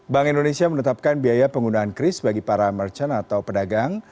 bank indonesia menetapkan biaya penggunaan kris bagi para merchant atau pedagang